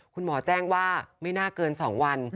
คุณหมอแจ้งว่าไม่น่าเกิน๒วัน